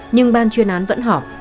nhưng ban chuyên án đã nhận được thông tin